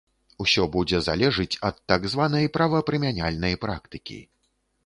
Усё будзе залежыць ад так званай правапрымяняльнай практыкі.